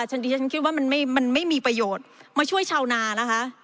ดิฉันคิดว่ามันไม่มีประโยชน์มาช่วยชาวนานะคะ